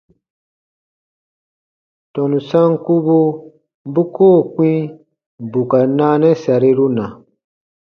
Tɔnu sankubu bu koo kpĩ bù ka naanɛ sariru na?